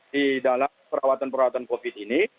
di dalam perawatan perawatan covid ini